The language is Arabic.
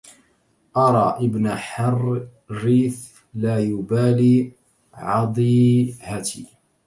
أرى ابن حريث لا يبالي عضيهتي